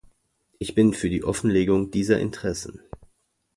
Ich bin für die Offenlegung dieser Interessen.